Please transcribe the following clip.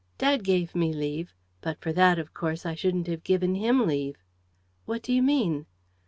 "Dad gave me leave. But for that, of course, I shouldn't have given him leave." "What do you mean?"